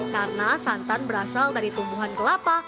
karena santan berasal dari tumbuhan kelapa